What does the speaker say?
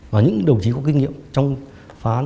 và những đồng chí có kinh nghiệm